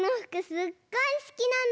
すっごいすきなの。